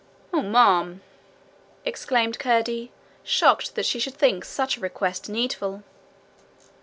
'Oh, ma'am!' exclaimed Curdie, shocked that she should think such a request needful.